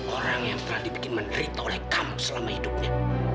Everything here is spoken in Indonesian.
orang yang telah dibikin menderita oleh kamu selama hidupnya